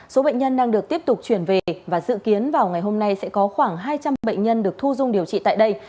số bệnh nhân đang được tiếp tục chuyển về và dự kiến vào ngày hôm nay sẽ có khoảng hai trăm linh bệnh nhân được thu dung điều trị tại đây